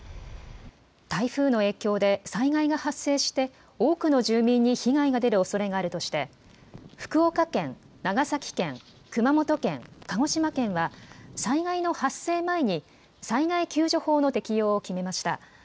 台風の影響で、災害が発生して多くの住民に被害が出るおそれがあるとして、福岡県、長崎県、熊本県、鹿児島県は、災害の発生前に、災害救助法の適用を決めました。